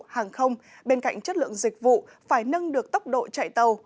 hàng không bên cạnh chất lượng dịch vụ phải nâng được tốc độ chạy tàu